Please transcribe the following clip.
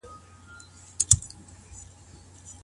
غټ اولادونه د چا له شفقت څخه محروميږي؟